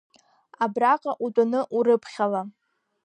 Абраҟа утәаны урыԥхьала.